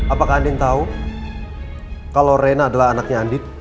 apakah andin tahu kalau rena adalah anaknya andin